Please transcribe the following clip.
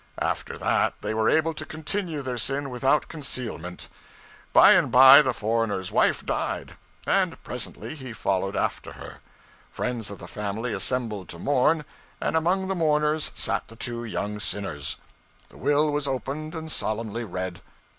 After that, they were able to continue their sin without concealment. By and bye the foreigner's wife died; and presently he followed after her. Friends of the family assembled to mourn; and among the mourners sat the two young sinners. The will was opened and solemnly read.